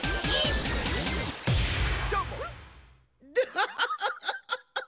ハハハハハハッ！